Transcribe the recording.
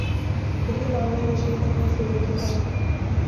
یہی معاملہ رشید احمد صدیقی کا ہے۔